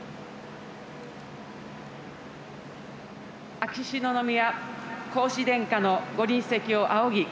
秋篠宮皇嗣殿下のご臨席を仰ぎ